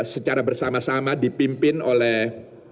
secara bersama sama dipimpin oleh